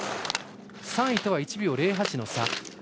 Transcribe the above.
３位とは１秒０８の差。